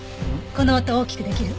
この音大きくできる？